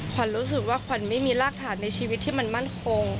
ขวัญรู้สึกว่าขวัญไม่มีรากฐานในชีวิตที่มันมั่นคง